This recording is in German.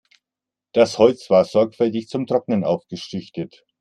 Das Holz war sorgfältig zum Trocknen aufgeschichtet.